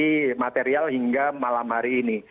kondisi material hingga malam hari ini